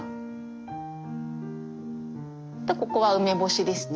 ここは梅干しですね。